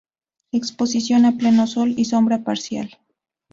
Exposición a pleno sol y sombra parcial.